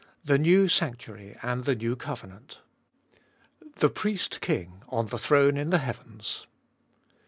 The New Sanctuary and the New Covenant. LVIII. THE PRIEST KING ON THE THRONE IN THE HEAVENS.